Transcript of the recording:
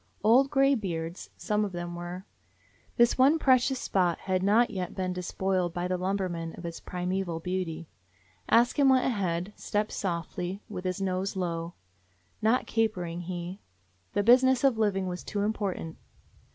Old gray beards, some of them were. This one precious spot had not yet been despoiled by the lum bermen of its primeval beauty. Ask Him went ahead, stepping softly, with his nose low. Not capering, he. The business of living was too important.